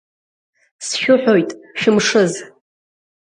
Сшәыҳәоит, шәымшыз!